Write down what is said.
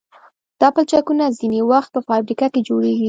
دا پلچکونه ځینې وخت په فابریکه کې جوړیږي